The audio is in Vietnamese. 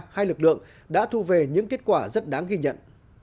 hai lực lượng đã thu về những kết quả rất đáng ghi nhận